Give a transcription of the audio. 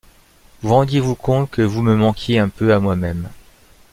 Vous rendiez-vous compte que vous me manquiez un peu à moi-même?